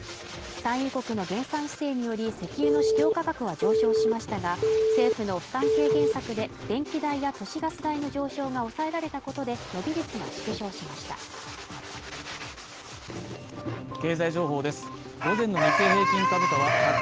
産油国の減産姿勢により石油の市況価格は上昇しましたが政府の負担軽減策で電気代や都市ガス代の上昇が抑えられたことで伸び率が縮小しましたえ？